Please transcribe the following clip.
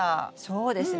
そうですね。